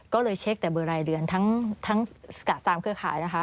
ก็เลยเช็คแต่เบอร์รายเดือนทั้ง๓เครือข่ายนะคะ